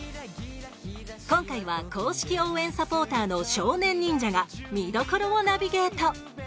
今回は公式応援サポーターの少年忍者が見どころをナビゲート！